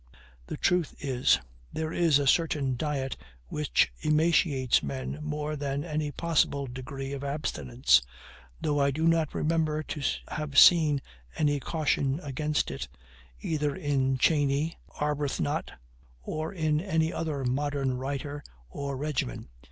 The truth is, there is a certain diet which emaciates men more than any possible degree of abstinence; though I do not remember to have seen any caution against it, either in Cheney, Arbuthnot, or in any other modern writer or regimen.